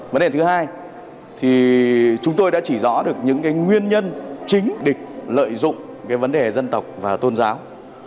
vấn đề thứ hai thì chúng tôi đã chỉ rõ được những cái nguyên nhân chính địch lợi dụng cái vấn đề dân tộc và tôn giáo